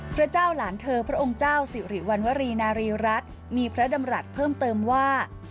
พระเจ้าหลานเธอพระองค์เจ้าสิริวัณวรีนารีรัฐมีพระดำรัฐเพิ่มเติมว่า